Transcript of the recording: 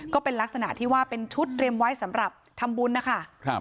ก็เป็นลักษณะที่ว่าเป็นชุดเตรียมไว้สำหรับทำบุญนะคะ